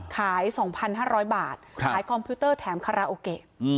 ขาย๒๕๐๐บาทขายคอมพิวเตอร์แถมคาราโอเกะ